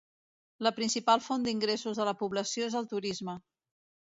La principal font d'ingressos de la població és el turisme.